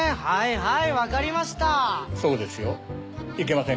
はい。